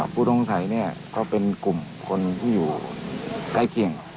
ผู้ต้องไทยก็เป็นกลุ่มคนที่อยู่ใกล้เคียง